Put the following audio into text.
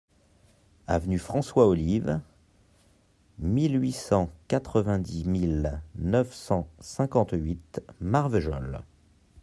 Avenue François Olive (mille huit cent quatre-vingt-dix-mille neuf cent cinquante-huit), Marvejols